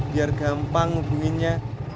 biar gampang hubunginnya